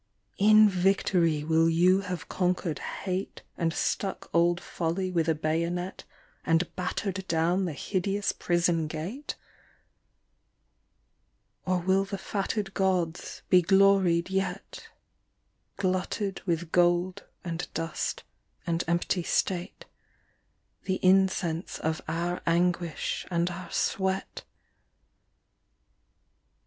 In victory will you have conquered Hate, And stuck old Folly with a bayonet And battered down the hideous prison gate ? Or will the fatted gods be gloried yet, Glutted with gold and dust and empty state, The incense of our anguish and our sweat